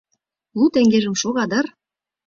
Лу теҥгежым шога дыр?..